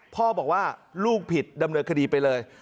พ่อบอกว่าลูกผิดดำเนินคดีไปเลย